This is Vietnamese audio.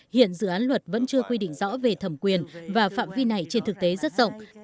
hiện dự án luật vẫn chưa quy định rõ về thẩm quyền và phạm vi này trên thực tế rất rộng